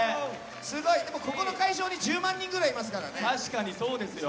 でも、この会場に１０万人ぐらいいますからね。